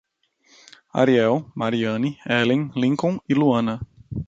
Ariel, Mariane, Helen, Lincon e Luana